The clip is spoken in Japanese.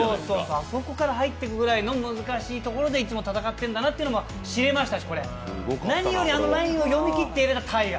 あそこから入ってくくらいの難しいところでいつも戦っているんだなと知れましたし、なによりもあのラインを読み切っていたのがウッズ。